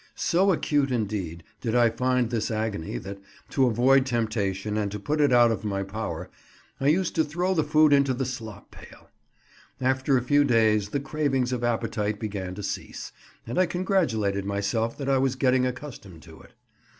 So acute, indeed, did I find this agony that, to avoid temptation and to put it out of my power, I used to throw the food into the slop pail. After a few days, the cravings of appetite began to cease, and I congratulated myself that I was getting accustomed to it.